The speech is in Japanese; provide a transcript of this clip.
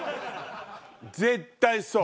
絶対そう。